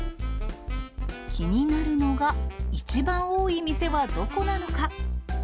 気になるのが、一番多い店はどこなのか。